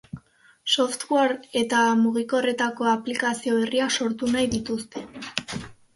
Software eta mugikorretako aplikazio berriak sortu nahi dituzte.